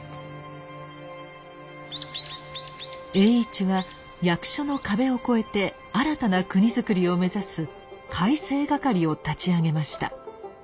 栄一は役所の壁を超えて新たな国づくりを目指す改正掛を立ち上げました。